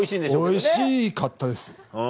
おいしかったです。